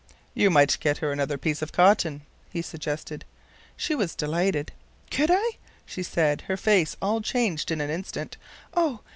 "You might get her another piece of cotton," he suggested. She was delighted. "Could I?" she said, her face all changed in an instant. "Oh!